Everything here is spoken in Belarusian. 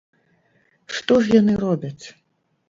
Што ж яны робяць?